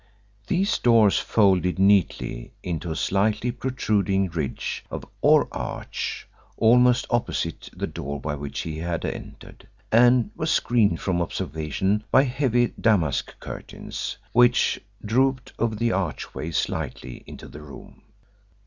These doors folded neatly into a slightly protruding ridge or arch almost opposite the door by which he had entered, and were screened from observation by heavy damask curtains, which drooped over the archway slightly into the room.